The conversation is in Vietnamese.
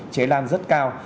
cháy lan rất cao